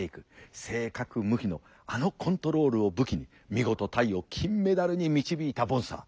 正確無比のあのコントロールを武器に見事タイを金メダルに導いたボンサー。